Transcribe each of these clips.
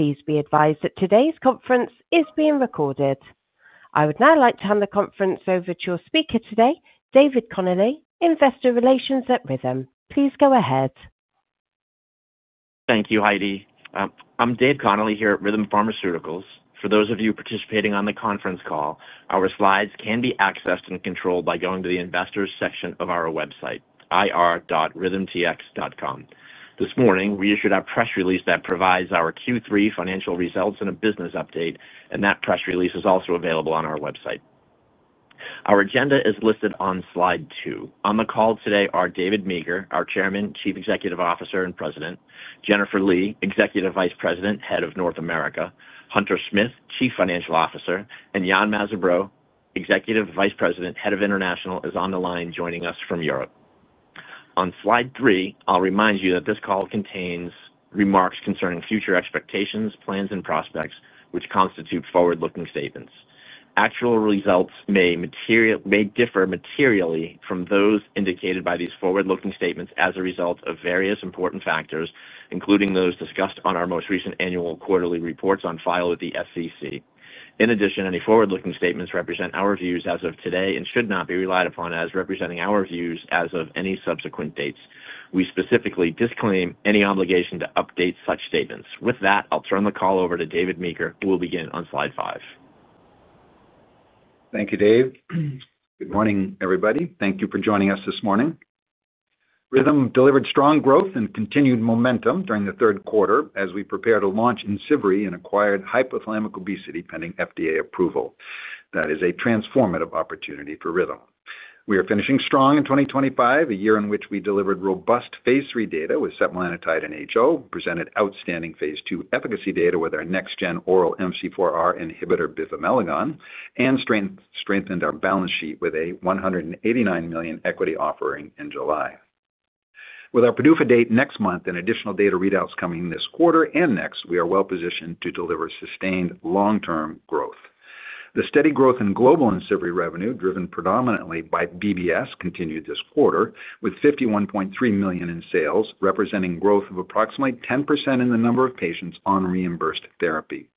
Please be advised that today's conference is being recorded. I would now like to hand the conference over to our speaker today, David Connolly, Investor Relations at Rhythm. Please go ahead. Thank you, Heidi. I'm David Connolly here at Rhythm Pharmaceuticals. For those of you participating on the conference call, our slides can be accessed and controlled by going to the Investors section of our website, ir.rhythmtx.com. This morning, we issued a press release that provides our Q3 financial results and a business update, and that press release is also available on our website. Our agenda is listed on slide two. On the call today are David Meeker, our Chairman, Chief Executive Officer, and President; Jennifer Lee, Executive Vice President, Head of North America; Hunter Smith, Chief Financial Officer; and Yann Mazabraud, Executive Vice President, Head of International, is on the line joining us from Europe. On slide three, I'll remind you that this call contains remarks concerning future expectations, plans, and prospects, which constitute forward-looking statements. Actual results may differ materially from those indicated by these forward-looking statements as a result of various important factors, including those discussed on our most recent annual quarterly reports on file with the SEC. In addition, any forward-looking statements represent our views as of today and should not be relied upon as representing our views as of any subsequent dates. We specifically disclaim any obligation to update such statements. With that, I'll turn the call over to David Meeker, who will begin on slide five. Thank you, Dave. Good morning, everybody. Thank you for joining us this morning. Rhythm delivered strong growth and continued momentum during the third quarter as we prepared a launch in Sibiri and acquired hypothalamic obesity pending FDA approval. That is a transformative opportunity for Rhythm. We are finishing strong in 2024, a year in which we delivered robust phase III data with setmelanotide and HO, presented outstanding phase II efficacy data with our next-gen oral MC4R agonist, bivamelagon, and strengthened our balance sheet with a $189 million equity offering in July. With our PDUFA date next month and additional data readouts coming this quarter and next, we are well positioned to deliver sustained long-term growth. The steady growth in global Imcivree revenue, driven predominantly by BBS, continued this quarter with $51.3 million in sales, representing growth of approximately 10% in the number of patients on reimbursed therapy.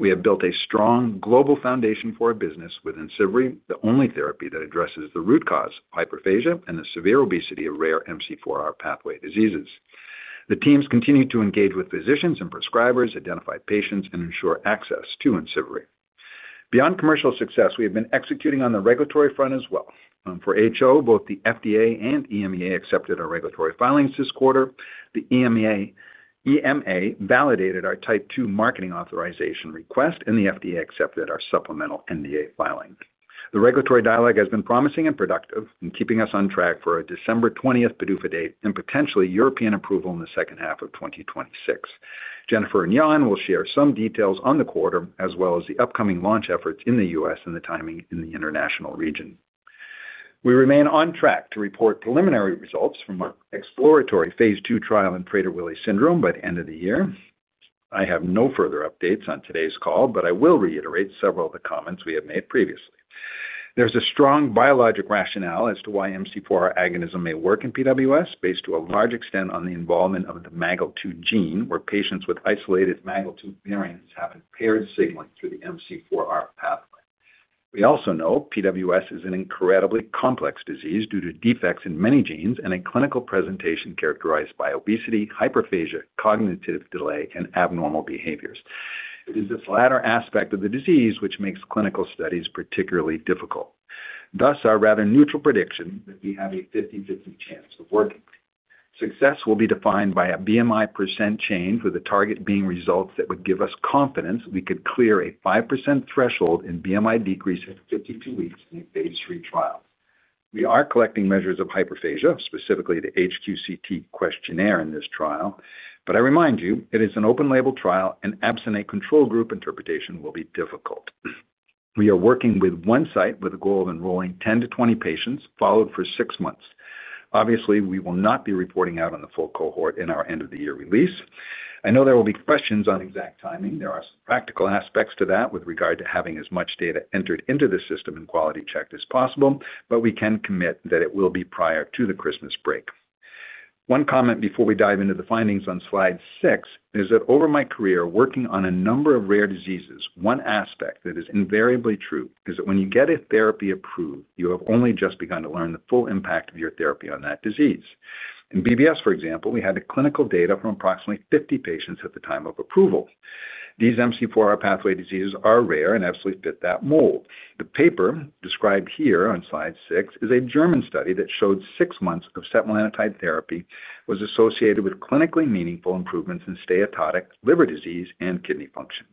We have built a strong global foundation for our business with Imcivree, the only therapy that addresses the root cause of hyperphagia and the severe obesity of rare MC4R pathway diseases. The teams continue to engage with physicians and prescribers, identify patients, and ensure access to Imcivree. Beyond commercial success, we have been executing on the regulatory front as well. For HO, both the FDA and EMA accepted our regulatory filings this quarter. The EMA validated our type two marketing authorization request, and the FDA accepted our supplemental NDA filing. The regulatory dialogue has been promising and productive in keeping us on track for a December 20th PDUFA date and potentially European approval in the second half of 2025. Jennifer and Yann will share some details on the quarter as well as the upcoming launch efforts in the U.S. and the timing in the international region. We remain on track to report preliminary results from our exploratory phase II trial in Prader-Willi syndrome by the end of the year. I have no further updates on today's call, but I will reiterate several of the comments we have made previously. There's a strong biologic rationale as to why MC4R agonism may work in PWS, based to a large extent on the involvement of the MAGEL2 gene, where patients with isolated MAGEL2 variants have impaired signaling through the MC4R pathway. We also know PWS is an incredibly complex disease due to defects in many genes and a clinical presentation characterized by obesity, hyperphagia, cognitive delay, and abnormal behaviors. It is this latter aspect of the disease which makes clinical studies particularly difficult. Thus, our rather neutral prediction is that we have a 50/50 chance of working. Success will be defined by a BMI percent change, with the target being results that would give us confidence we could clear a 5% threshold in BMI decrease in 52 weeks in a phase III trial. We are collecting measures of hyperphagia, specifically the HQCT questionnaire in this trial, but I remind you, it is an open-label trial, and absence control group interpretation will be difficult. We are working with one site with a goal of enrolling 10 patients-20 patients followed for six months. Obviously, we will not be reporting out on the full cohort in our end-of-the-year release. I know there will be questions on exact timing. There are some practical aspects to that with regard to having as much data entered into the system and quality checked as possible, but we can commit that it will be prior to the Christmas break. One comment before we dive into the findings on slide six is that over my career working on a number of rare diseases, one aspect that is invariably true is that when you get a therapy approved, you have only just begun to learn the full impact of your therapy on that disease. In BBS, for example, we had clinical data from approximately 50 patients at the time of approval. These MC4R pathway diseases are rare and absolutely fit that mold. The paper described here on slide six is a German study that showed six months of setmelanotide therapy was associated with clinically meaningful improvements in steatotic liver disease and kidney function.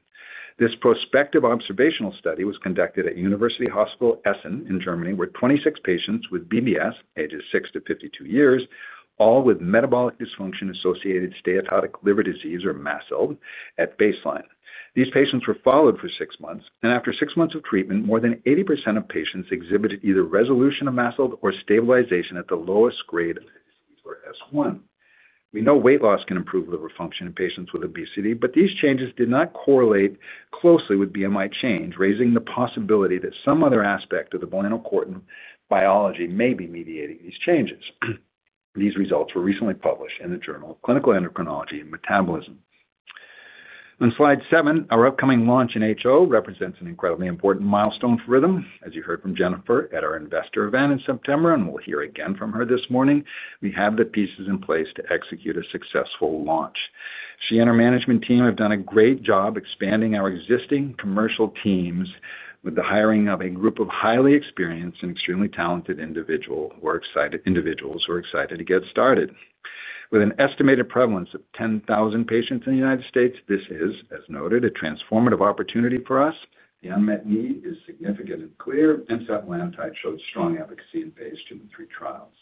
This prospective observational study was conducted at University Hospital Essen in Germany, where 26 patients with BBS, ages six to 52 years, all with metabolic dysfunction-associated steatotic liver disease, or MASLD, at baseline. These patients were followed for six months, and after six months of treatment, more than 80% of patients exhibited either resolution of MASLD or stabilization at the lowest grade of the disease, or S1. We know weight loss can improve liver function in patients with obesity, but these changes did not correlate closely with BMI change, raising the possibility that some other aspect of the melanocortin biology may be mediating these changes. These results were recently published in the Journal of Clinical Endocrinology and Metabolism. On slide seven, our upcoming launch in HO represents an incredibly important milestone for Rhythm, as you heard from Jennifer at our Investor Event in September, and we'll hear again from her this morning. We have the pieces in place to execute a successful launch. She and her management team have done a great job expanding our existing commercial teams with the hiring of a group of highly experienced and extremely talented individuals who are excited to get started. With an estimated prevalence of 10,000 patients in the United States, this is, as noted, a transformative opportunity for us. The unmet need is significant and clear, and setmelanotide showed strong efficacy in phase II and III trials.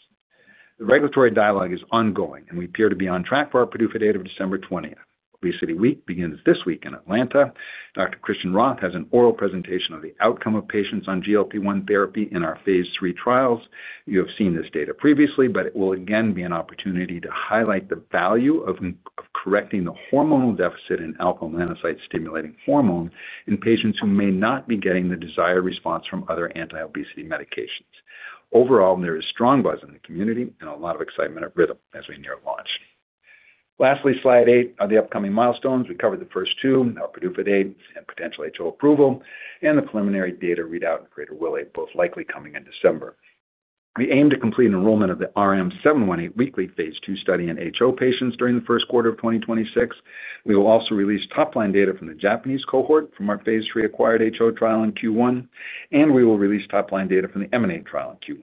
The regulatory dialogue is ongoing, and we appear to be on track for our PDUFA date of December 20th. Obesity Week begins this week in Atlanta. Dr. Christian Roth has an oral presentation on the outcome of patients on GLP-1 therapy in our phase III trials. You have seen this data previously, but it will again be an opportunity to highlight the value of correcting the hormonal deficit in alpha-melanocyte stimulating hormone in patients who may not be getting the desired response from other anti-obesity medications. Overall, there is strong buzz in the community and a lot of excitement at Rhythm as we near launch. Lastly, slide eight are the upcoming milestones. We covered the first two, our PDUFA date and potential HO approval, and the preliminary data readout in Prader-Willi, both likely coming in December. We aim to complete enrollment of the RM-718 weekly phase II study in HO patients during the first quarter of 2026. We will also release top-line data from the Japanese cohort from our phase III acquired HO trial in Q1, and we will release top-line data from the MNA trial in Q1.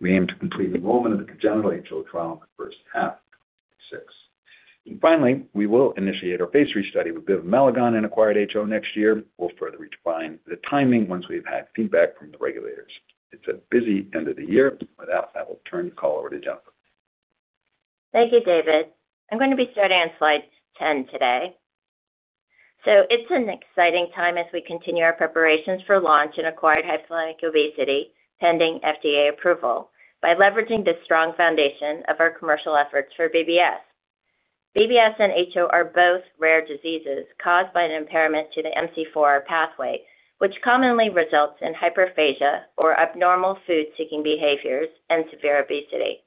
We aim to complete enrollment of the congenital HO trial in the first half of 2026. Finally, we will initiate our phase III study with bivamelagon and acquired HO next year. We'll further redefine the timing once we've had feedback from the regulators. It's a busy end of the year. With that, I will turn the call over to Jennifer. Thank you, David. I'm going to be starting on slide 10 today. It's an exciting time as we continue our preparations for launch in acquired hypothalamic obesity pending FDA approval by leveraging the strong foundation of our commercial efforts for BBS. BBS and HO are both rare diseases caused by an impairment to the MC4R pathway, which commonly results in hyperphagia or abnormal food-seeking behaviors and severe obesity.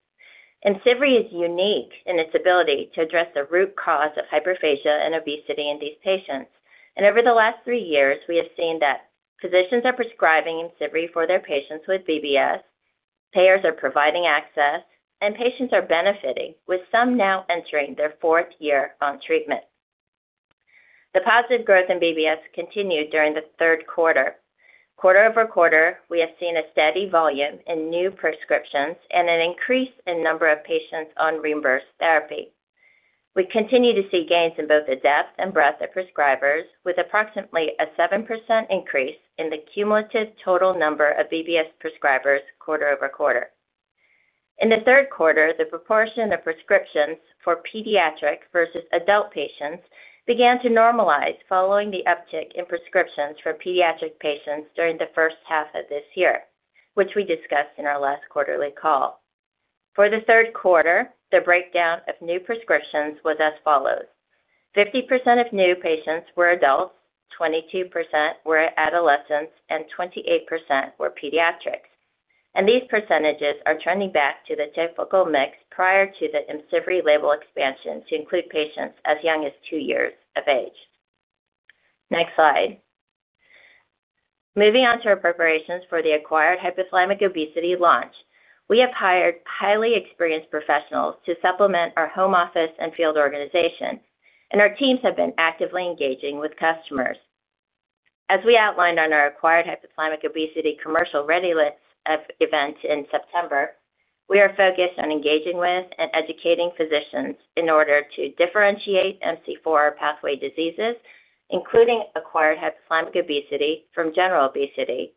Imcivree is unique in its ability to address the root cause of hyperphagia and obesity in these patients. Over the last three years, we have seen that physicians are prescribing Imcivree for their patients with BBS, payers are providing access, and patients are benefiting, with some now entering their fourth year on treatment. The positive growth in BBS continued during the third quarter. Quarter-over-quarter, we have seen a steady volume in new prescriptions and an increase in the number of patients on reimbursed therapy. We continue to see gains in both the depth and breadth of prescribers, with approximately a 7% increase in the cumulative total number of BBS prescribers quarter-over-quarter. In the third quarter, the proportion of prescriptions for pediatric versus adult patients began to normalize following the uptick in prescriptions for pediatric patients during the first half of this year, which we discussed in our last quarterly call. For the third quarter, the breakdown of new prescriptions was as follows. 50% of new patients were adults, 22% were adolescents, and 28% were pediatrics. These percentages are trending back to the typical mix prior to the Imcivree label expansion to include patients as young as two years of age. Next slide. Moving on to our preparations for the acquired hypothalamic obesity launch, we have hired highly experienced professionals to supplement our home office and field organization, and our teams have been actively engaging with customers. As we outlined on our acquired hypothalamic obesity commercial readiness event in September, we are focused on engaging with and educating physicians in order to differentiate MC4R pathway diseases, including acquired hypothalamic obesity from general obesity,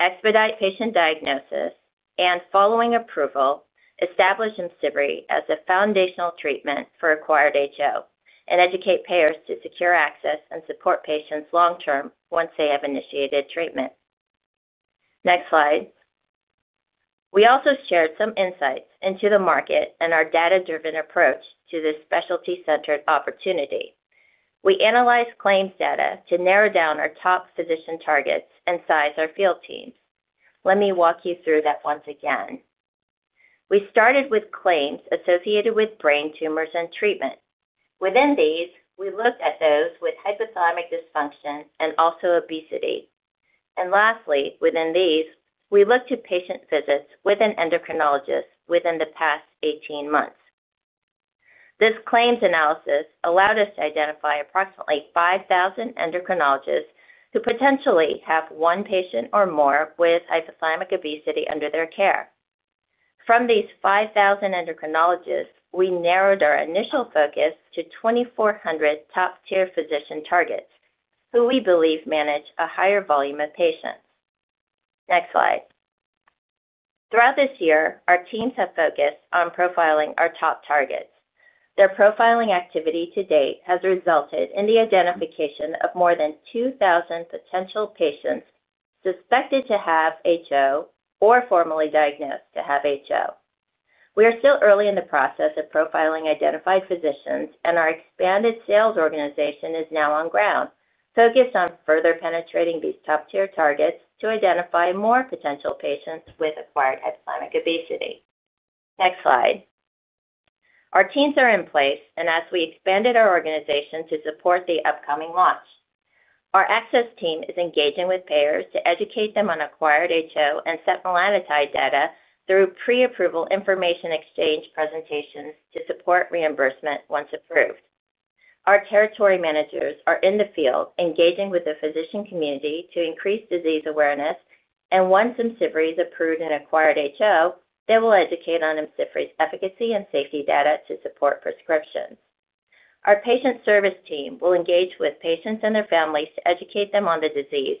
expedite patient diagnosis, and following approval, establish Imcivree as a foundational treatment for acquired HO, and educate payers to secure access and support patients long-term once they have initiated treatment. Next slide. We also shared some insights into the market and our data-driven approach to this specialty-centered opportunity. We analyzed claims data to narrow down our top physician targets and size our field teams. Let me walk you through that once again. We started with claims associated with brain tumors and treatment. Within these, we looked at those with hypothalamic dysfunction and also obesity. Lastly, within these, we looked at patient visits with an endocrinologist within the past 18 months. This claims analysis allowed us to identify approximately 5,000 endocrinologists who potentially have one patient or more with hypothalamic obesity under their care. From these 5,000 endocrinologists, we narrowed our initial focus to 2,400 top-tier physician targets, who we believe manage a higher volume of patients. Next slide. Throughout this year, our teams have focused on profiling our top targets. Their profiling activity to date has resulted in the identification of more than 2,000 potential patients suspected to have HO or formally diagnosed to have HO. We are still early in the process of profiling identified physicians, and our expanded sales organization is now on ground, focused on further penetrating these top-tier targets to identify more potential patients with acquired hypothalamic obesity. Next slide. Our teams are in place, and as we expanded our organization to support the upcoming launch, our access team is engaging with payers to educate them on acquired HO and setmelanotide data through pre-approval information exchange presentations to support reimbursement once approved. Our territory managers are in the field, engaging with the physician community to increase disease awareness, and once Imcivree is approved in acquired HO, they will educate on Imcivree's efficacy and safety data to support prescriptions. Our patient service team will engage with patients and their families to educate them on the disease,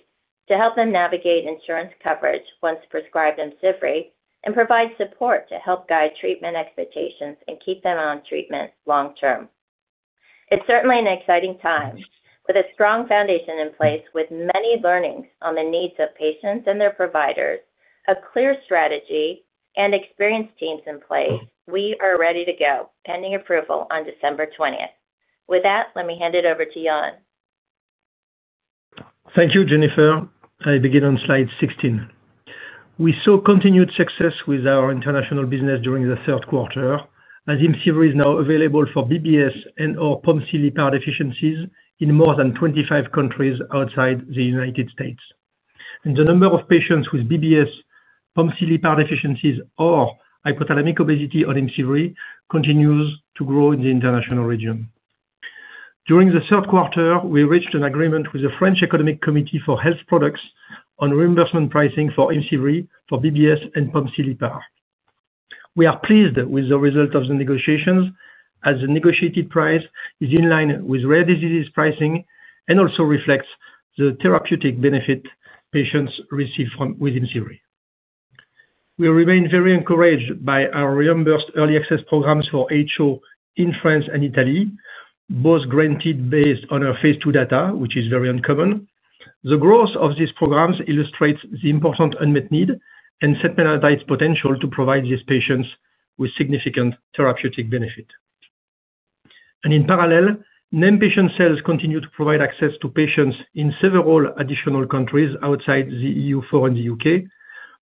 to help them navigate insurance coverage once prescribed Imcivree, and provide support to help guide treatment expectations and keep them on treatment long-term. It's certainly an exciting time. With a strong foundation in place, with many learnings on the needs of patients and their providers, a clear strategy, and experienced teams in place, we are ready to go, pending approval on December 20th. With that, let me hand it over to Yann. Thank you, Jennifer. I begin on slide 16. We saw continued success with our international business during the third quarter, as Imcivree is now available for BBS and/or POMC, LEPR deficiencies in more than 25 countries outside the United States. The number of patients with BBS, POMC, LEPR deficiencies, or hypothalamic obesity on Imcivree continues to grow in the international region. During the third quarter, we reached an agreement with the French Economic Committee for Health Products on reimbursement pricing for Imcivree for BBS and POMC, LEPR. We are pleased with the result of the negotiations, as the negotiated price is in line with rare diseases pricing and also reflects the therapeutic benefit patients receive from Imcivree. We remain very encouraged by our reimbursed early access programs for HO in France and Italy, both granted based on our phase II data, which is very uncommon. The growth of these programs illustrates the important unmet need and setmelanotide's potential to provide these patients with significant therapeutic benefit. In parallel, named patient sales continue to provide access to patients in several additional countries outside the European Union, for example in the U.K.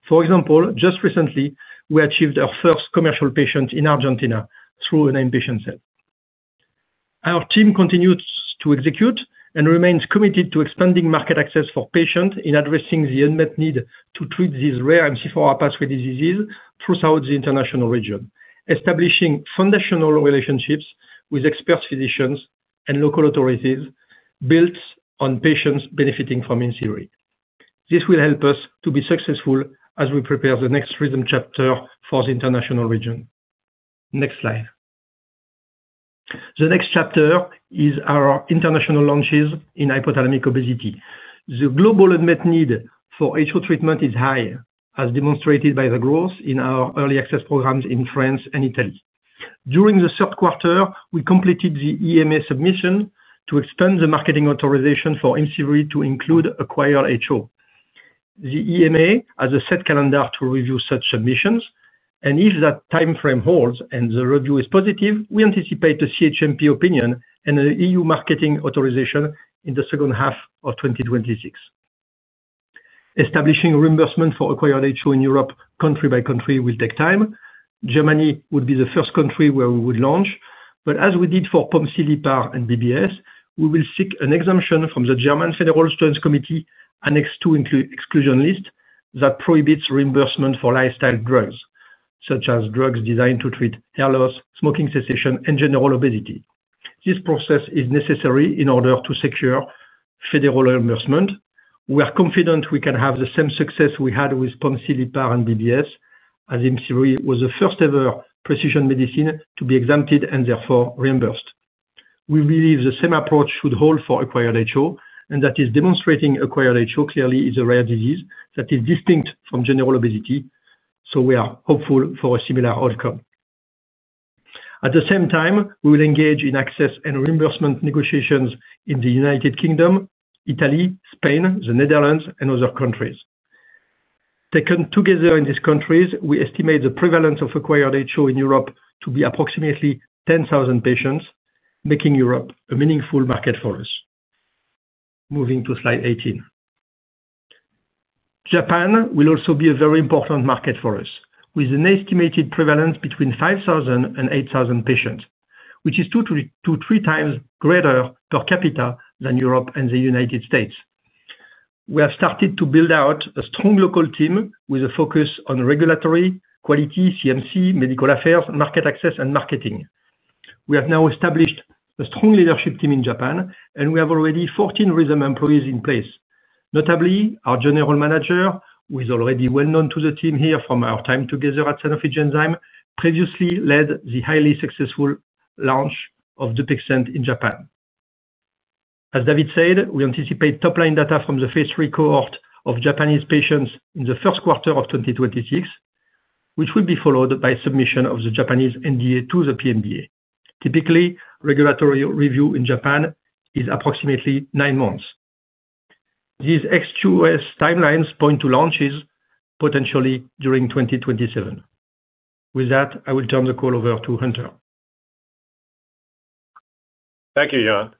For example, just recently, we achieved our first commercial patient in Argentina through a named patient sale. Our team continues to execute and remains committed to expanding market access for patients in addressing the unmet need to treat these rare MC4R pathway diseases throughout the international region, establishing foundational relationships with expert physicians and local authorities built on patients benefiting from Imcivree. This will help us to be successful as we prepare the next Rhythm chapter for the international region. Next slide. The next chapter is our international launches in hypothalamic obesity. The global unmet need for HO treatment is high, as demonstrated by the growth in our early access programs in France and Italy. During the third quarter, we completed the EMA submission to extend the marketing authorization for Imcivree to include acquired HO. The EMA has a set calendar to review such submissions, and if that timeframe holds and the review is positive, we anticipate a CHMP opinion and a European Union marketing authorization in the second half of 2026. Establishing reimbursement for acquired HO in Europe, country by country, will take time. Germany would be the first country where we would launch, but as we did for POMC, LEPR and BBS, we will seek an exemption from the German Federal Insurance Committee Annex II exclusion list that prohibits reimbursement for lifestyle drugs, such as drugs designed to treat hair loss, smoking cessation, and general obesity. This process is necessary in order to secure federal reimbursement. We are confident we can have the same success we had with POMC, LEPR and BBS, as Imcivree was the first-ever precision medicine to be exempted and therefore reimbursed. We believe the same approach should hold for acquired HO, and that is demonstrating acquired HO clearly is a rare disease that is distinct from general obesity. We are hopeful for a similar outcome. At the same time, we will engage in access and reimbursement negotiations in the United Kingdom, Italy, Spain, the Netherlands, and other countries. Taken together in these countries, we estimate the prevalence of acquired HO in Europe to be approximately 10,000 patients, making Europe a meaningful market for us. Moving to slide 18. Japan will also be a very important market for us, with an estimated prevalence between 5,000 and 8,000 patients, which is 2x-3x greater per capita than Europe and the United States. We have started to build out a strong local team with a focus on regulatory, quality, CMC, medical affairs, market access, and marketing. We have now established a strong leadership team in Japan, and we have already 14 Rhythm employees in place. Notably, our general manager, who is already well-known to the team here from our time together at Sanofi Genzyme, previously led the highly successful launch of Dupixent in Japan. As David said, we anticipate top-line data from the phase III cohort of Japanese patients in the first quarter of 2026, which will be followed by submission of the Japanese NDA to the PMDA. Typically, regulatory review in Japan is approximately nine months. These timelines point to launches potentially during 2027. With that, I will turn the call over to Hunter. Thank you, Yann.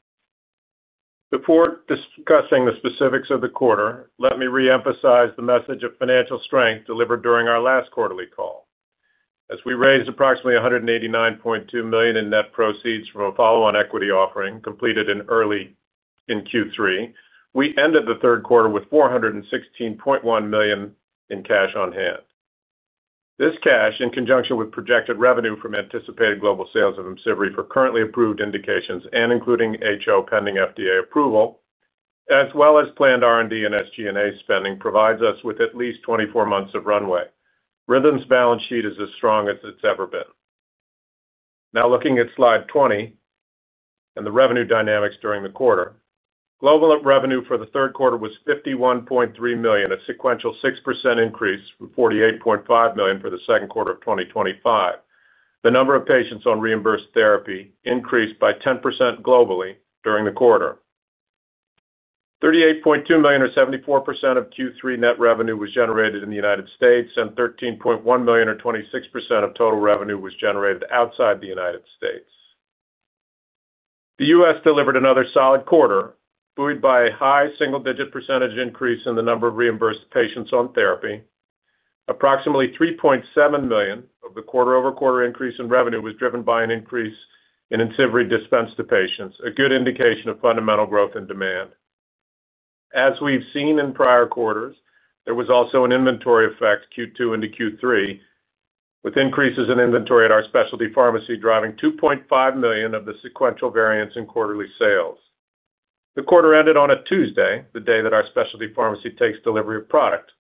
Before discussing the specifics of the quarter, let me re-emphasize the message of financial strength delivered during our last quarterly call. As we raised approximately $189.2 million in net proceeds from a follow-on equity offering completed in early. In Q3, we ended the third quarter with $416.1 million in cash on hand. This cash, in conjunction with projected revenue from anticipated global sales of Imcivree for currently approved indications and including HO pending FDA approval, as well as planned R&D and SG&A spending, provides us with at least 24 months of runway. Rhythm's balance sheet is as strong as it's ever been. Now, looking at slide 20. And the revenue dynamics during the quarter, global revenue for the third quarter was $51.3 million, a sequential 6% increase from $48.5 million for the second quarter of 2025. The number of patients on reimbursed therapy increased by 10% globally during the quarter. $38.2 million or 74% of Q3 net revenue was generated in the United States, and $13.1 million or 26% of total revenue was generated outside the United States. The U.S. delivered another solid quarter, buoyed by a high single-digit percentage increase in the number of reimbursed patients on therapy. Approximately $3.7 million of the quarter-over-quarter increase in revenue was driven by an increase in Imcivree dispensed to patients, a good indication of fundamental growth in demand. As we've seen in prior quarters, there was also an inventory effect Q2 into Q3. With increases in inventory at our specialty pharmacy driving $2.5 million of the sequential variance in quarterly sales. The quarter ended on a Tuesday, the day that our specialty pharmacy takes delivery of product,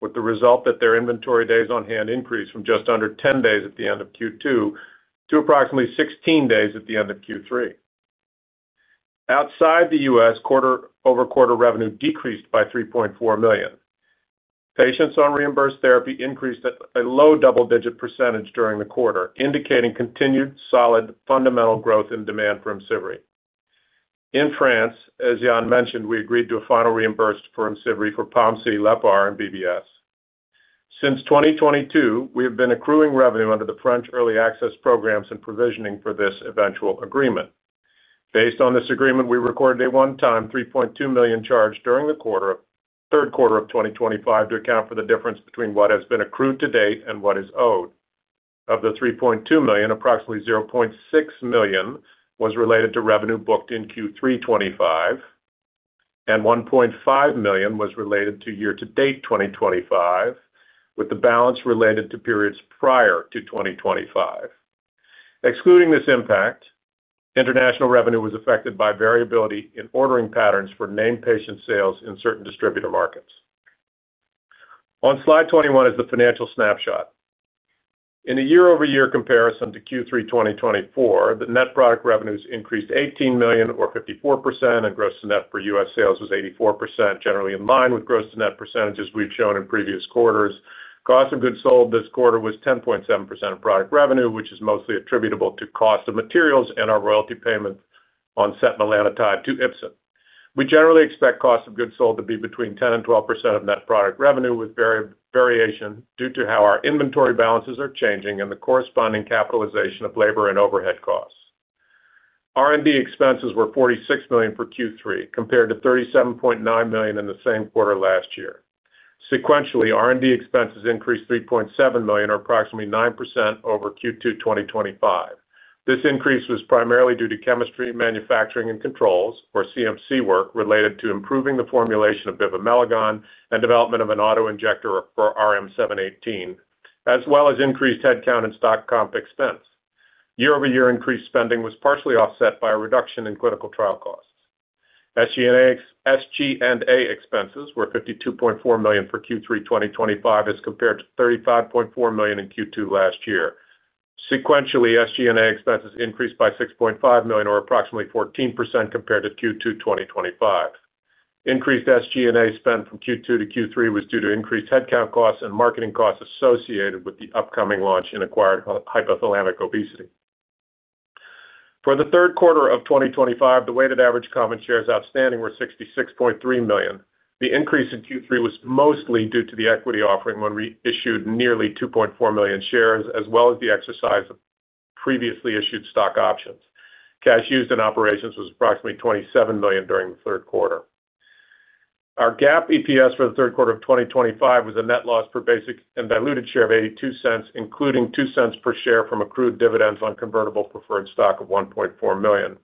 with the result that their inventory days on hand increased from just under 10 days at the end of Q2 to approximately 16 days at the end of Q3. Outside the U.S., quarter-over-quarter revenue decreased by $3.4 million. Patients on reimbursed therapy increased at a low double-digit percentage during the quarter, indicating continued solid fundamental growth in demand for Imcivree. In France, as Yann mentioned, we agreed to a final reimbursement for Imcivree for POMC deficiency and BBS. Since 2022, we have been accruing revenue under the French early access programs and provisioning for this eventual agreement. Based on this agreement, we recorded a one-time $3.2 million charge during the third quarter of 2025 to account for the difference between what has been accrued to date and what is owed. Of the $3.2 million, approximately $0.6 million was related to revenue booked in Q3 2025. And $1.5 million was related to year-to-date 2025, with the balance related to periods prior to 2025. Excluding this impact, international revenue was affected by variability in ordering patterns for named patient sales in certain distributor markets. On slide 21 is the financial snapshot. In a year-over-year comparison to Q3 2024, the net product revenues increased $18 million, or 54%, and gross net for U.S. sales was 84%, generally in line with gross net percentages we've shown in previous quarters. Cost of goods sold this quarter was 10.7% of product revenue, which is mostly attributable to cost of materials and our royalty payment on setmelanotide to Ipsen. We generally expect cost of goods sold to be between 10%-12% of net product revenue, with variation due to how our inventory balances are changing and the corresponding capitalization of labor and overhead costs. R&D expenses were $46 million for Q3, compared to $37.9 million in the same quarter last year. Sequentially, R&D expenses increased $3.7 million, or approximately 9%, over Q2 2025. This increase was primarily due to chemistry, manufacturing, and controls, or CMC work related to improving the formulation of bivamelagon and development of an auto injector for RM-718, as well as increased headcount and stock comp expense. Year-over-year increased spending was partially offset by a reduction in clinical trial costs. SG&A expenses were $52.4 million for Q3 2025, as compared to $35.4 million in Q2 last year. Sequentially, SG&A expenses increased by $6.5 million, or approximately 14%, compared to Q2 2025. Increased SG&A spent from Q2 to Q3 was due to increased headcount costs and marketing costs associated with the upcoming launch in acquired hypothalamic obesity. For the third quarter of 2025, the weighted average common shares outstanding were 66.3 million. The increase in Q3 was mostly due to the equity offering when we issued nearly 2.4 million shares, as well as the exercise of previously issued stock options. Cash used in operations was approximately $27 million during the third quarter. Our GAAP EPS for the third quarter of 2025 was a net loss per basic and diluted share of $0.82, including $0.02 per share from accrued dividends on convertible preferred stock of $1.4 million.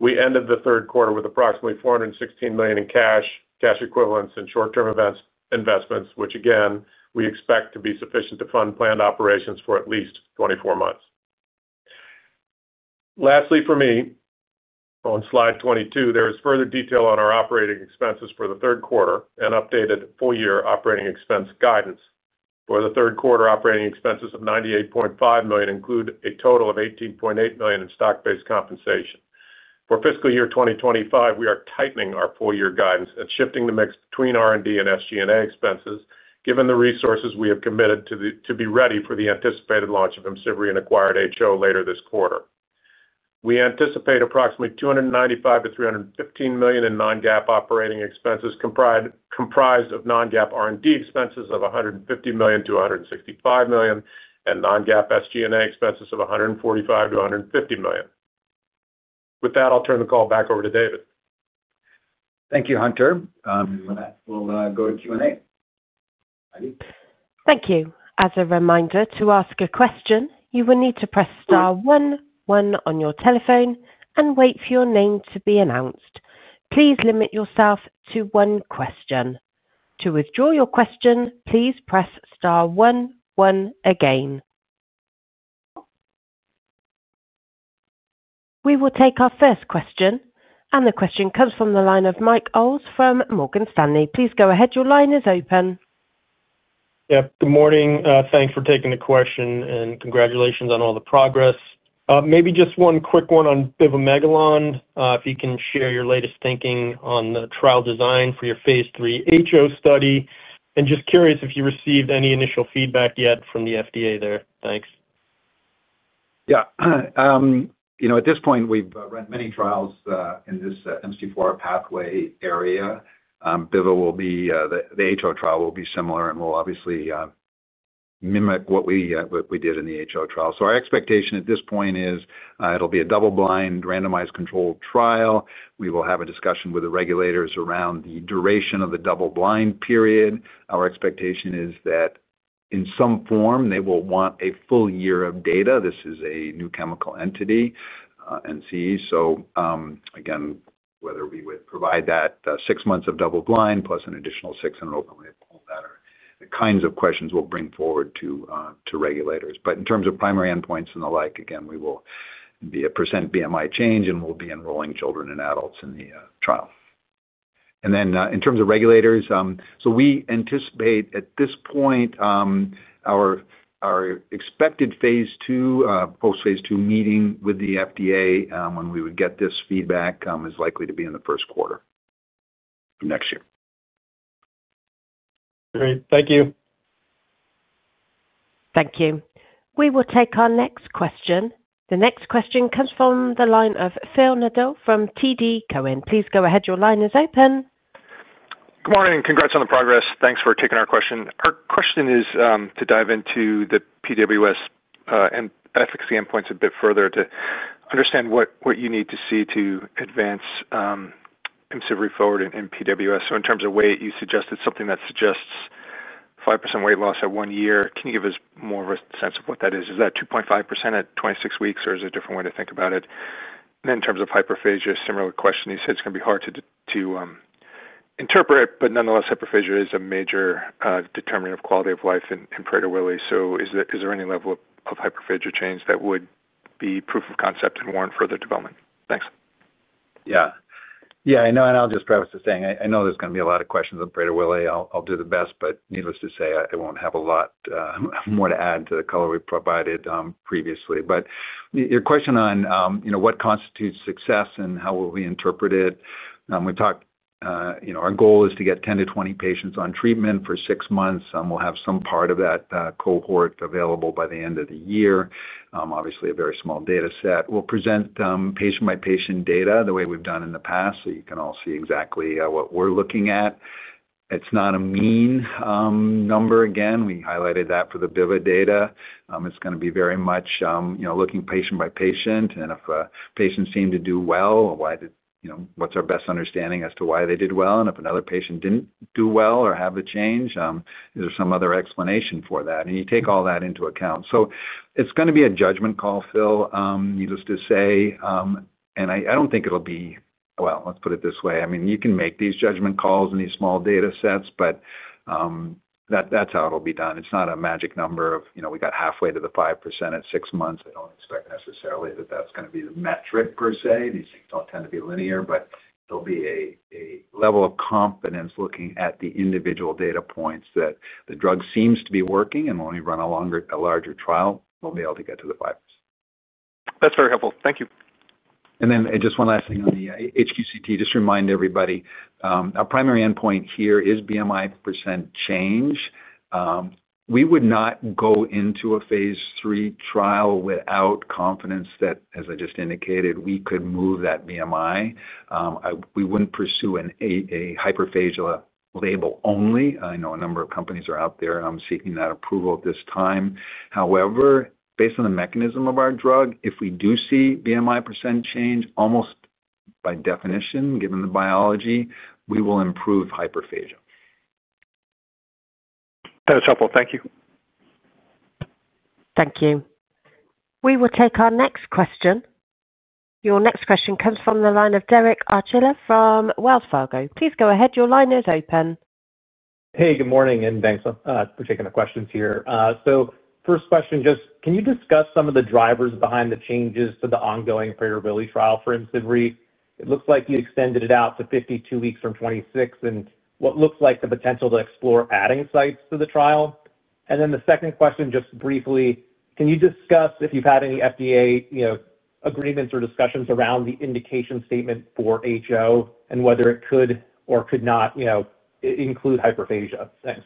We ended the third quarter with approximately $416 million in cash, cash equivalents, and short-term investments, which, again, we expect to be sufficient to fund planned operations for at least 24 months. Lastly, for me. On slide 22, there is further detail on our operating expenses for the third quarter and updated full-year operating expense guidance. For the third quarter, operating expenses of $98.5 million include a total of $18.8 million in stock-based compensation. For fiscal year 2025, we are tightening our full-year guidance and shifting the mix between R&D and SG&A expenses, given the resources we have committed to be ready for the anticipated launch of Imcivree and acquired HO later this quarter. We anticipate approximately $295 million-$315 million in non-GAAP operating expenses, comprised of non-GAAP R&D expenses of $150 million-$165 million, and non-GAAP SG&A expenses of $145 million-$150 million. With that, I'll turn the call back over to David. Thank you, Hunter. We'll go to Q&A. Thank you. As a reminder, to ask a question, you will need to press star one one on your telephone and wait for your name to be announced. Please limit yourself to one question. To withdraw your question, please press star one one again. We will take our first question, and the question comes from the line of Mike Owles from Morgan Stanley. Please go ahead. Your line is open. Yep. Good morning. Thanks for taking the question, and congratulations on all the progress. Maybe just one quick one on bivamelagon. If you can share your latest thinking on the trial design for your phase III HO study, and just curious if you received any initial feedback yet from the FDA there. Thanks. Yeah. At this point, we've run many trials in this MC4R pathway area. The HO trial will be similar and will obviously mimic what we did in the HO trial. So our expectation at this point is it'll be a double-blind randomized controlled trial. We will have a discussion with the regulators around the duration of the double-blind period. Our expectation is that in some form, they will want a full year of data. This is a new chemical entity, NCE. So again, whether we would provide that six months of double-blind plus an additional six in an open label, those are the kinds of questions we'll bring forward to regulators. But in terms of primary endpoints and the like, again, we will be a percent BMI change, and we'll be enrolling children and adults in the trial. In terms of regulators, so we anticipate at this point our expected phase II, post-phase II meeting with the FDA when we would get this feedback is likely to be in the first quarter next year. Great. Thank you. Thank you. We will take our next question. The next question comes from the line of Phil Nadeau from TD Cowen. Please go ahead. Your line is open. Good morning. Congrats on the progress. Thanks for taking our question. Our question is to dive into the PWS and efficacy endpoints a bit further to understand what you need to see to advance Imcivree forward in PWS. In terms of weight, you suggested something that suggests 5% weight loss at one year. Can you give us more of a sense of what that is? Is that 2.5% at 26 weeks, or is there a different way to think about it? In terms of hyperphagia, similar question. You said it's going to be hard to interpret, but nonetheless, hyperphagia is a major determinant of quality of life in Prader-Willi. Is there any level of hyperphagia change that would be proof of concept and warrant further development? Thanks. Yeah. Yeah. I'll just preface it saying I know there's going to be a lot of questions on Prader-Willi. I'll do the best, but needless to say, I won't have a lot more to add to the color we provided previously. Your question on what constitutes success and how will we interpret it. Our goal is to get 10 to 20 patients on treatment for six months. We'll have some part of that cohort available by the end of the year. Obviously, a very small data set. We'll present patient-by-patient data the way we've done in the past, so you can all see exactly what we're looking at. It's not a mean number. Again, we highlighted that for the biva data. It's going to be very much looking patient-by-patient, and if patients seem to do well, what's our best understanding as to why they did well? If another patient didn't do well or have the change, is there some other explanation for that? You take all that into account. So it's going to be a judgment call, Phil, needless to say. I don't think it'll be—well, let's put it this way. I mean, you can make these judgment calls in these small data sets. That's how it'll be done. It's not a magic number of, "We got halfway to the 5% at six months." I don't expect necessarily that that's going to be the metric per se. These things don't tend to be linear, but there'll be a level of confidence looking at the individual data points that the drug seems to be working. When we run a larger trial, we'll be able to get to the 5%. That's very helpful. Thank you. Just one last thing on the HO CT. Just remind everybody, our primary endpoint here is BMI percent change. We would not go into a phase III trial without confidence that, as I just indicated, we could move that BMI. We wouldn't pursue a hyperphagia label only. I know a number of companies are out there seeking that approval at this time. However, based on the mechanism of our drug, if we do see BMI percent change, almost by definition, given the biology, we will improve hyperphagia. That is helpful. Thank you. Thank you. We will take our next question. Your next question comes from the line of Derek Archila from Wells Fargo. Please go ahead. Your line is open. Hey, good morning, and thanks for taking the questions here. So first question, just can you discuss some of the drivers behind the changes to the ongoing Prader-Willi trial for Imcivree? It looks like you extended it out to 52 weeks from 26, and what looks like the potential to explore adding sites to the trial. And then the second question, just briefly, can you discuss if you've had any FDA agreements or discussions around the indication statement for HO and whether it could or could not include hyperphagia? Thanks.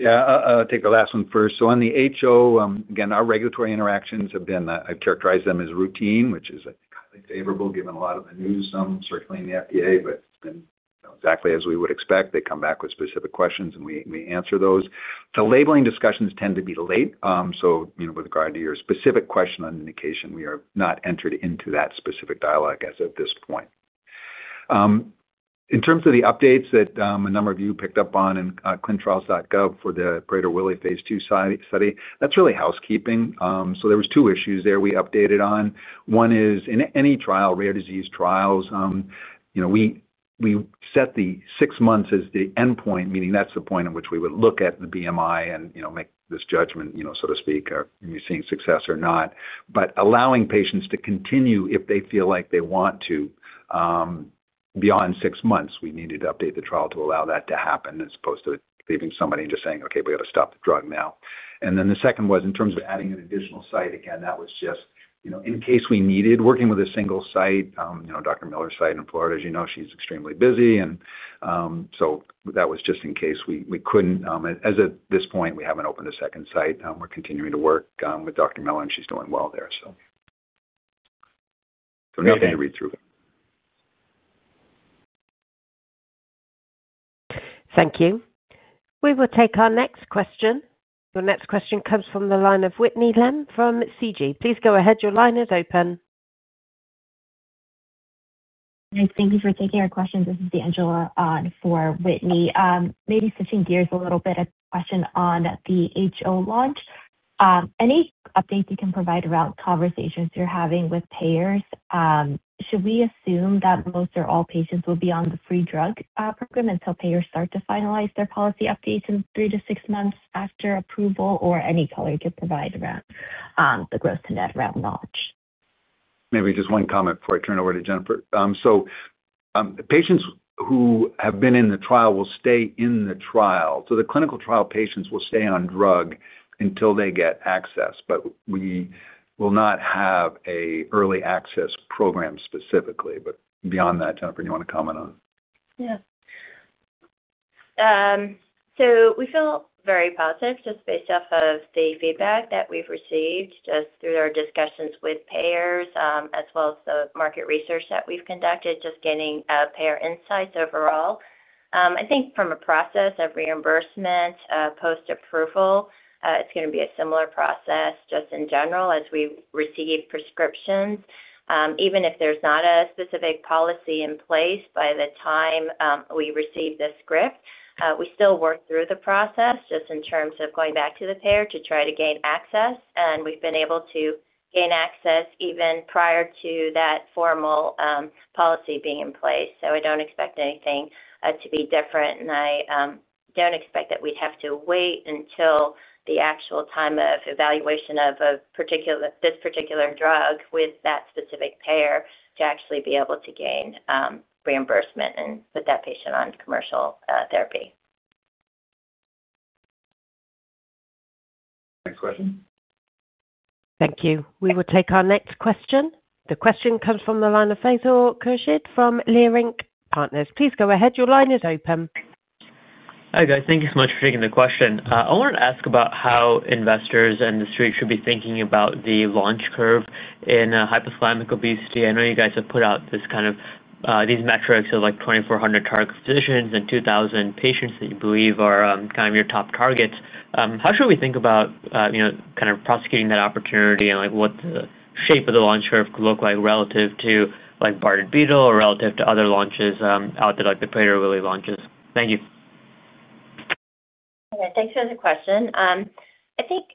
Yeah. I'll take the last one first. On the HO, again, our regulatory interactions have been—I've characterized them as routine, which is highly favorable given a lot of the news circulating in the FDA, but it's been exactly as we would expect. They come back with specific questions, and we answer those. The labeling discussions tend to be late. With regard to your specific question on indication, we have not entered into that specific dialogue as of this point. In terms of the updates that a number of you picked up on in clinicaltrials.gov for the Prader-Willi phase II study, that's really housekeeping. There were two issues there we updated on. One is in any trial, rare disease trials. We set the six months as the endpoint, meaning that's the point at which we would look at the BMI and make this judgment, so to speak, of seeing success or not. But allowing patients to continue if they feel like they want to. Beyond six months, we needed to update the trial to allow that to happen as opposed to leaving somebody and just saying, "Okay, we got to stop the drug now." And then the second was in terms of adding an additional site. Again, that was just in case we needed working with a single site, Dr. Miller's site in Florida. As you know, she's extremely busy. And so that was just in case we couldn't. As of this point, we haven't opened a second site. We're continuing to work with Dr. Miller, and she's doing well there. Nothing to read through. Thank you. We will take our next question. Your next question comes from the line of Whitney Lem from Citi. Please go ahead. Your line is open. Thank you for taking our questions. This is Angela for Whitney. Maybe switching gears a little bit, a question on the HO launch. Any updates you can provide around conversations you're having with payers? Should we assume that most or all patients will be on the free drug program until payers start to finalize their policy updates in three to six months after approval, or any color you could provide around the growth to net around launch? Maybe just one comment before I turn it over to Jennifer. Patients who have been in the trial will stay in the trial. The clinical trial patients will stay on drug until they get access, but we will not have an early access program specifically. But beyond that, Jennifer, do you want to comment on? Yeah. We feel very positive just based off of the feedback that we've received just through our discussions with payers, as well as the market research that we've conducted, just getting payer insights overall. I think from a process of reimbursement post-approval, it's going to be a similar process just in general as we receive prescriptions. Even if there's not a specific policy in place by the time we receive the script, we still work through the process just in terms of going back to the payer to try to gain access. We've been able to gain access even prior to that formal policy being in place. I don't expect anything to be different. I don't expect that we'd have to wait until the actual time of evaluation of this particular drug with that specific payer to actually be able to gain reimbursement and put that patient on commercial therapy. Next question. Thank you. We will take our next question. The question comes from the line of Faisal Khurshid from Leerink Partners. Please go ahead. Your line is open. Hi guys. Thank you so much for taking the question. I wanted to ask about how investors and the street should be thinking about the launch curve in hypothalamic obesity. I know you guys have put out these metrics of 2,400 target physicians and 2,000 patients that you believe are kind of your top targets. How should we think about kind of prosecuting that opportunity and what the shape of the launch curve could look like relative to Bardet-Biedl or relative to other launches out there like the Prader-Willi launches? Thank you. Okay. Thanks for the question. I think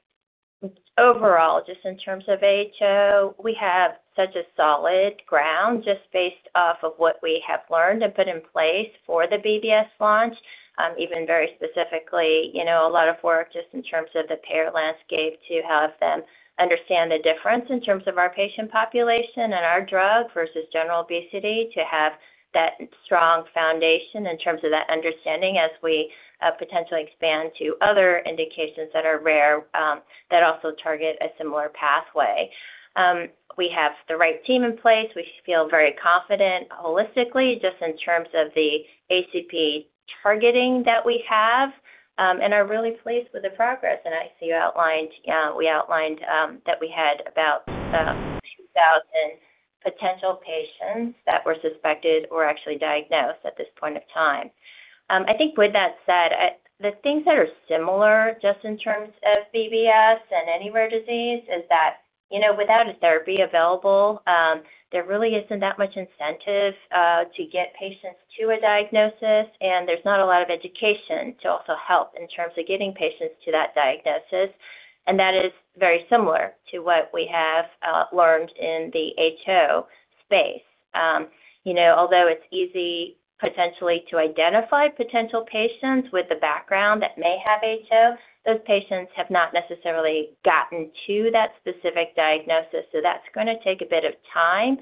overall, just in terms of HO, we have such a solid ground just based off of what we have learned and put in place for the BBS launch, even very specifically, a lot of work just in terms of the payer landscape to have them understand the difference in terms of our patient population and our drug versus general obesity, to have that strong foundation in terms of that understanding as we potentially expand to other indications that are rare that also target a similar pathway. We have the right team in place. We feel very confident holistically just in terms of the ACP targeting that we have and are really pleased with the progress. I see we outlined that we had about 2,000 potential patients that were suspected or actually diagnosed at this point of time. I think with that said, the things that are similar just in terms of BBS and any rare disease is that without a therapy available, there really isn't that much incentive to get patients to a diagnosis, and there's not a lot of education to also help in terms of getting patients to that diagnosis. That is very similar to what we have learned in the HO space. Although it's easy potentially to identify potential patients with the background that may have HO, those patients have not necessarily gotten to that specific diagnosis. So that's going to take a bit of time,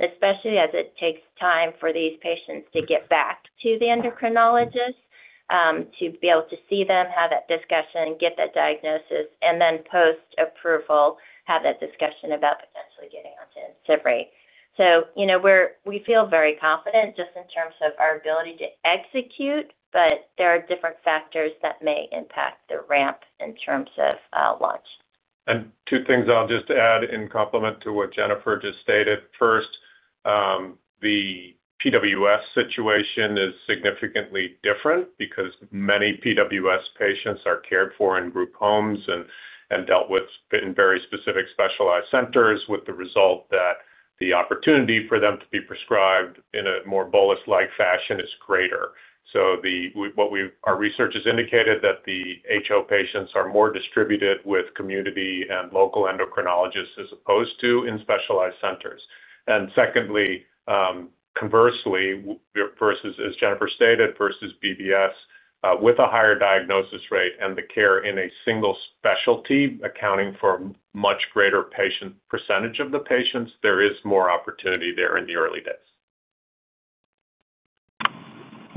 especially as it takes time for these patients to get back to the endocrinologist to be able to see them, have that discussion, get that diagnosis, and then post-approval, have that discussion about potentially getting onto Imcivree. So we feel very confident just in terms of our ability to execute, but there are different factors that may impact the ramp in terms of launch. Two things I'll just add in complement to what Jennifer just stated. First, the PWS situation is significantly different because many PWS patients are cared for in group homes and dealt with in very specific specialized centers, with the result that the opportunity for them to be prescribed in a more bolus-like fashion is greater. Our research has indicated that the HO patients are more distributed with community and local endocrinologists as opposed to in specialized centers. Secondly, conversely, as Jennifer stated, versus BBS with a higher diagnosis rate and the care in a single specialty accounting for a much greater percentage of the patients, there is more opportunity there in the early days.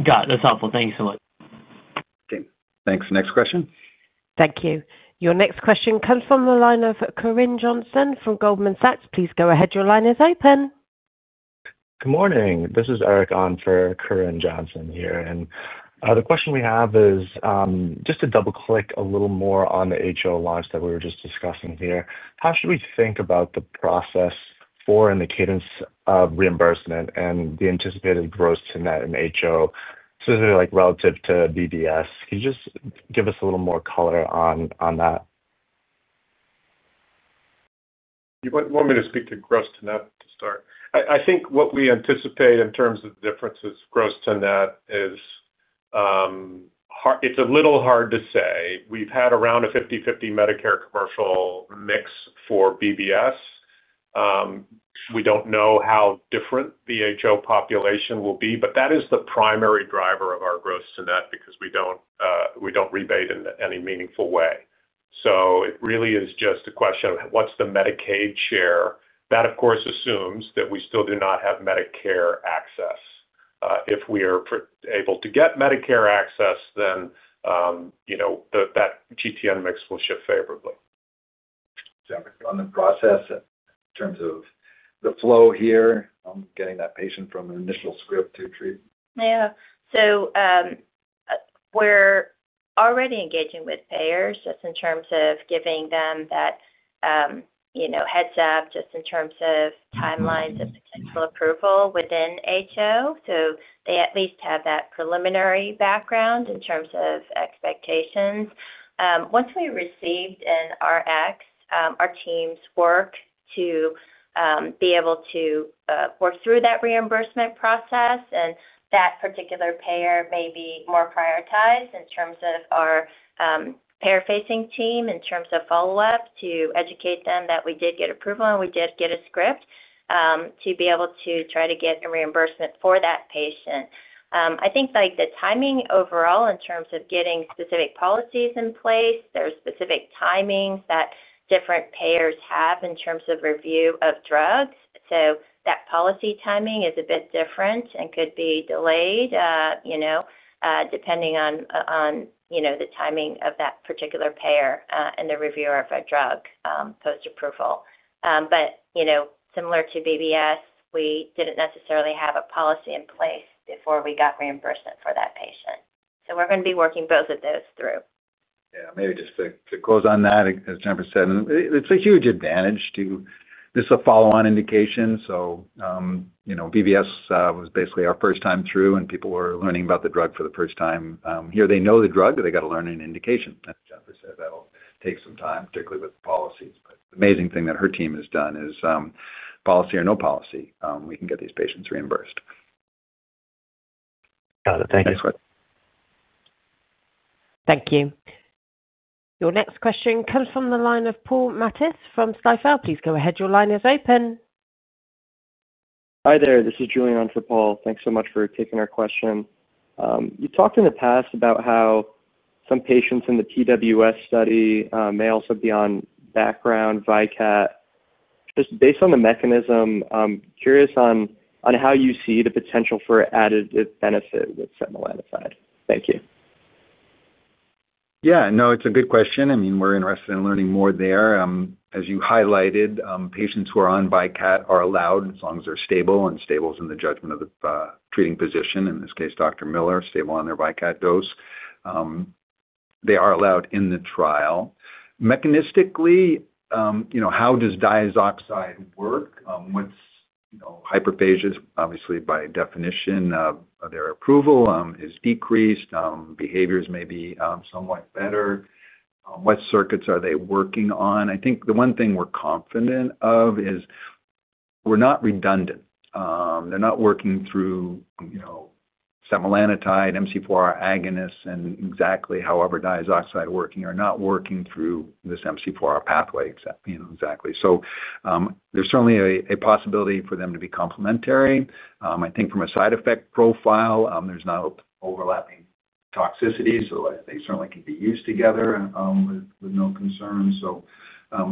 Got it. That's helpful. Thank you so much. Okay. Thanks. Next question. Thank you. Your next question comes from the line of Corinne Johnson from Goldman Sachs. Please go ahead. Your line is open. Good morning. This is Eric Onfer Corinne Johnson here. The question we have is just to double-click a little more on the HO launch that we were just discussing here. How should we think about the process for and the cadence of reimbursement and the anticipated gross to net in HO, specifically relative to BBS? Can you just give us a little more color on that? You want me to speak to gross to net to start? I think what we anticipate in terms of the differences gross to net is. It's a little hard to say. We've had around a 50/50 Medicare commercial mix for BBS. We don't know how different the HO population will be, but that is the primary driver of our gross to net because we don't rebate in any meaningful way. So it really is just a question of what's the Medicaid share. That, of course, assumes that we still do not have Medicare access. If we are able to get Medicare access, then that GTN mix will shift favorably. Jennifer, on the process in terms of the flow here, getting that patient from an initial script to treatment? Yeah. We're already engaging with payers just in terms of giving them that heads-up just in terms of timelines of potential approval within HO. They at least have that preliminary background in terms of expectations. Once we received an Rx, our teams work to be able to work through that reimbursement process. That particular payer may be more prioritized in terms of our payer-facing team, in terms of follow-up, to educate them that we did get approval and we did get a script to be able to try to get a reimbursement for that patient. I think the timing overall in terms of getting specific policies in place, there's specific timings that different payers have in terms of review of drugs. That policy timing is a bit different and could be delayed depending on the timing of that particular payer and the review of a drug post-approval. But similar to BBS, we didn't necessarily have a policy in place before we got reimbursement for that patient. We're going to be working both of those through. Yeah. Maybe just to close on that, as Jennifer said, it's a huge advantage to just a follow-on indication. BBS was basically our first time through, and people were learning about the drug for the first time. Here, they know the drug, they got to learn an indication. As Jennifer said, that'll take some time, particularly with policies. But the amazing thing that her team has done is policy or no policy, we can get these patients reimbursed. Got it. Thank you. Thank you. Your next question comes from the line of Paul Matteis from Stifel. Please go ahead. Your line is open. Hi there. This is Julian Onfer Paul. Thanks so much for taking our question. You talked in the past about how some patients in the PWS study may also be on background GLP-1. Just based on the mechanism, curious on how you see the potential for additive benefit with setmelanotide. Thank you. Yeah. No, it's a good question. I mean, we're interested in learning more there. As you highlighted, patients who are on diazoxide are allowed as long as they're stable, and stable is in the judgment of the treating physician, in this case, Dr. Miller, stable on their diazoxide dose. They are allowed in the trial. Mechanistically, how does diazoxide work? Hyperphagia, obviously, by definition, their appetite is decreased. Behaviors may be somewhat better. What circuits are they working on? I think the one thing we're confident of is we're not redundant. They're not working through setmelanotide, MC4R agonists, and exactly however diazoxide working are not working through this MC4R pathway exactly. So there's certainly a possibility for them to be complementary. I think from a side effect profile, there's not overlapping toxicities, so they certainly can be used together with no concern. So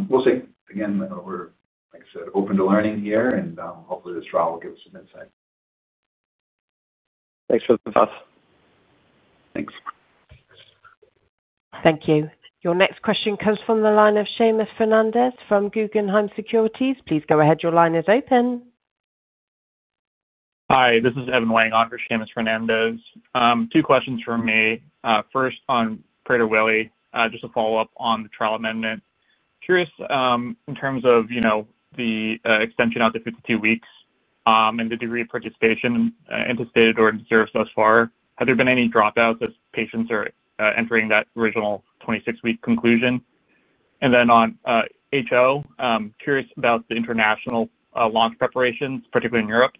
we'll see. Again, we're, like I said, open to learning here, and hopefully this trial will give us some insight. Thanks for the thoughts. Thanks. Thank you. Your next question comes from the line of Seamus Fernandez from Guggenheim Securities. Please go ahead. Your line is open. Hi. This is Evan Wang on for Seamus Fernandez. Two questions for me. First on Prader-Willi, just a follow-up on the trial amendment. Curious in terms of the extension out to 52 weeks and the degree of participation anticipated or observed thus far. Have there been any dropouts as patients are entering that original 26-week conclusion? And then on HO, curious about the international launch preparations, particularly in Europe.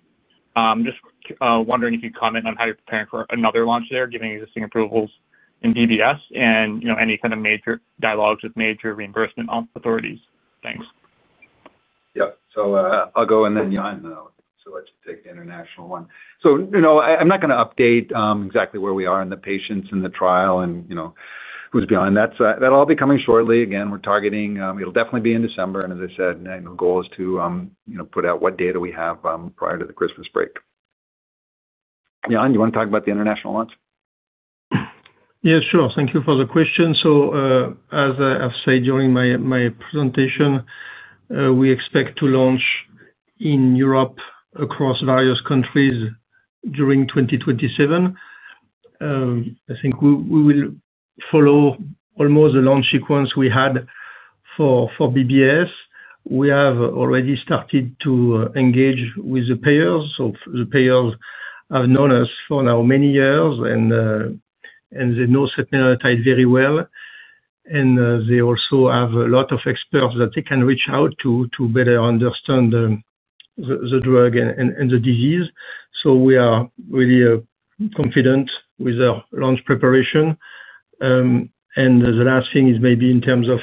Just wondering if you'd comment on how you're preparing for another launch there, given existing approvals in BBS and any kind of dialogs with major reimbursement authorities. Thanks. Yep. I'll go in there. Time, though. Let's just take the international one. I'm not going to update exactly where we are in the patients and the trial and who's behind that. That'll all be coming shortly. Again, we're targeting it'll definitely be in December. As I said, the goal is to put out what data we have prior to the Christmas break. Yeah. You want to talk about the international launch? Yeah, sure. Thank you for the question. As I have said during my presentation, we expect to launch in Europe across various countries during 2027. I think we will follow almost the launch sequence we had for BBS. We have already started to engage with the payers. The payers have known us for now many years, and they know setmelanotide very well. And they also have a lot of experts that they can reach out to better understand the drug and the disease. We are really confident with our launch preparation. And the last thing is maybe in terms of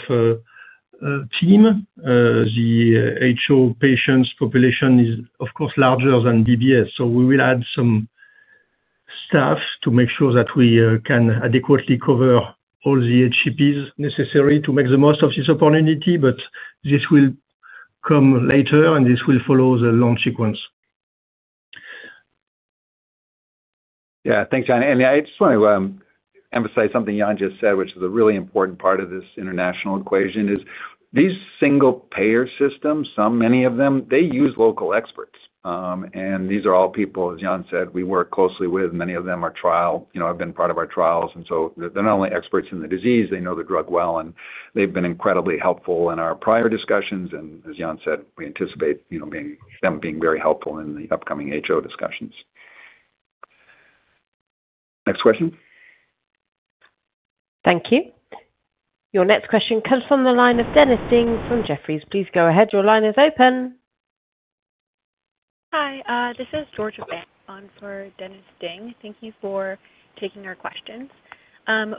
team. The HO patients' population is, of course, larger than BBS. We will add some staff to make sure that we can adequately cover all the HCPs necessary to make the most of this opportunity. But this will come later, and this will follow the launch sequence. Yeah. Thanks, John. I just want to emphasize something Yann just said, which is a really important part of this international equation, is these single payer systems, many of them, they use local experts. These are all people, as Yann said, we work closely with. Many of them have been part of our trials. So they're not only experts in the disease, they know the drug well, and they've been incredibly helpful in our prior discussions. As Yann said, we anticipate them being very helpful in the upcoming HO discussions. Next question. Thank you. Your next question comes from the line of Dennis Ding from Jefferies. Please go ahead. Your line is open. Hi. This is Georgia Banks on for Dennis Ding. Thank you for taking our questions.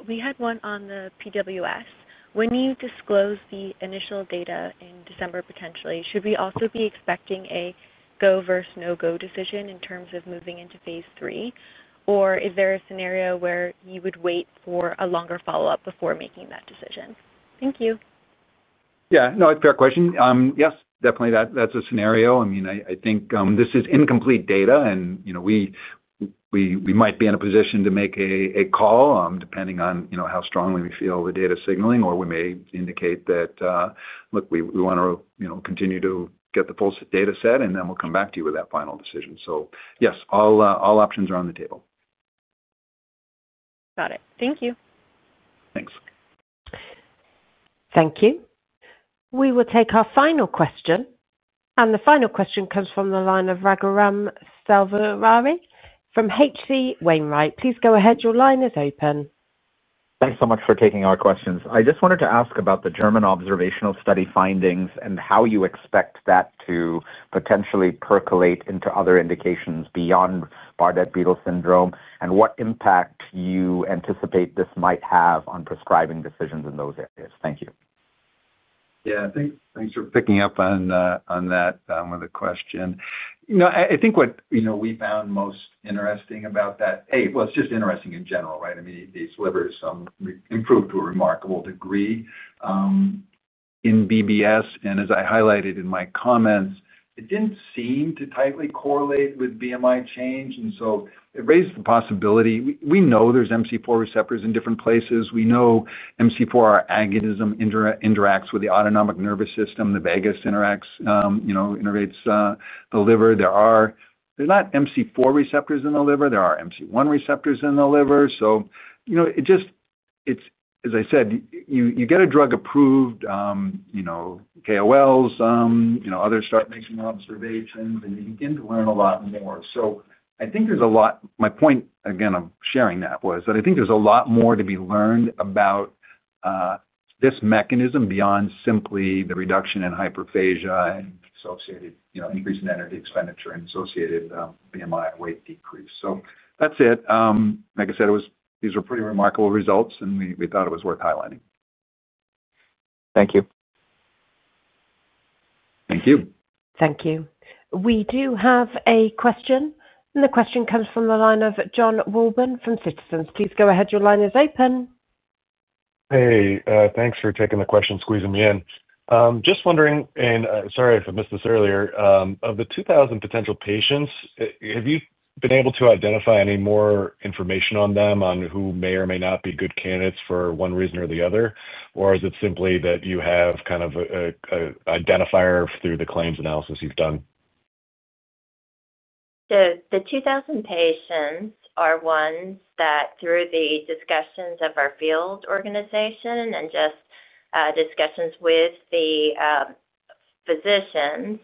We had one on the PWS. When you disclose the initial data in December, potentially, should we also be expecting a go versus no-go decision in terms of moving into phase III? Or is there a scenario where you would wait for a longer follow-up before making that decision? Thank you. Yeah. No, it's a fair question. Yes, definitely, that's a scenario. I mean, I think this is incomplete data, and we might be in a position to make a call depending on how strongly we feel the data signaling, or we may indicate that, "Look, we want to continue to get the full data set, and then we'll come back to you with that final decision." So yes, all options are on the table. Got it. Thank you. Thanks. Thank you. We will take our final question. The final question comes from the line of Raghuram Selvaraju from H.C. Wainwright. Please go ahead. Your line is open. Thanks so much for taking our questions. I just wanted to ask about the German observational study findings and how you expect that to potentially percolate into other indications beyond Bardet-Biedl syndrome and what impact you anticipate this might have on prescribing decisions in those areas. Thank you. Yeah. Thanks for picking up on that with the question. I think what we found most interesting about that—well, it's just interesting in general, right? I mean, these livers improved to a remarkable degree in BBS. And as I highlighted in my comments, it didn't seem to tightly correlate with BMI change. And so it raised the possibility. We know there's MC4R receptors in different places. We know MC4R agonism interacts with the autonomic nervous system. The vagus interacts. Innervates the liver. There are not MC4R receptors in the liver. There are MC1 receptors in the liver. As I said, you get a drug approved. KOLs, others start making observations, and you begin to learn a lot more. I think there's a lot—my point, again, I'm sharing that was that I think there's a lot more to be learned about this mechanism beyond simply the reduction in hyperphagia and associated increase in energy expenditure and associated BMI and weight decrease. That's it. Like I said, these were pretty remarkable results, and we thought it was worth highlighting. Thank you. Thank you. Thank you. We do have a question. The question comes from the line of John Woolburn from Citizens. Please go ahead. Your line is open. Hey. Thanks for taking the question, squeezing me in. Just wondering—and sorry if I missed this earlier—of the 2,000 potential patients, have you been able to identify any more information on them on who may or may not be good candidates for one reason or the other? Or is it simply that you have kind of an identifier through the claims analysis you've done? The 2,000 patients are ones that, through the discussions of our field organization and just discussions with the physicians,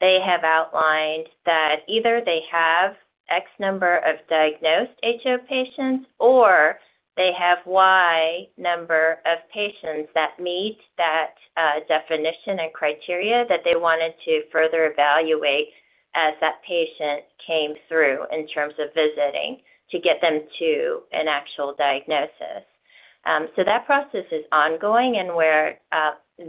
they have outlined that either they have X number of diagnosed HO patients or they have Y number of patients that meet that definition and criteria that they wanted to further evaluate as that patient came through in terms of visiting to get them to an actual diagnosis. That process is ongoing, and we're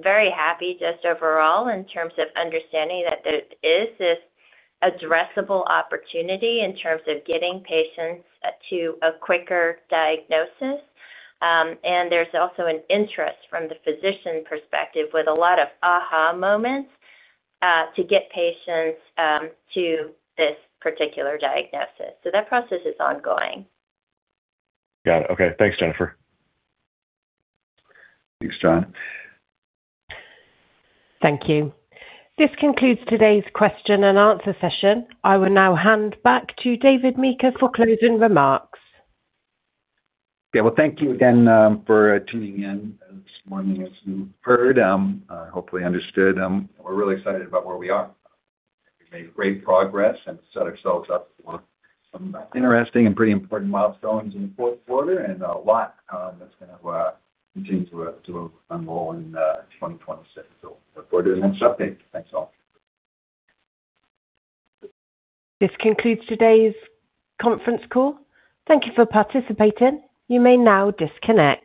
very happy just overall in terms of understanding that there is this addressable opportunity in terms of getting patients to a quicker diagnosis. There's also an interest from the physician perspective with a lot of aha moments to get patients to this particular diagnosis. That process is ongoing. Got it. Okay. Thanks, Jennifer. Thanks, John. Thank you. This concludes today's question-and-answer session. I will now hand back to David Meeker for closing remarks. Yeah. Thank you again for tuning in this morning, as you heard, hopefully understood. We're really excited about where we are. We've made great progress and set ourselves up for some interesting and pretty important milestones in the fourth quarter and a lot that's going to continue to unroll in 2025. So look forward to the next update. Thanks all. This concludes today's conference call. Thank you for participating. You may now disconnect.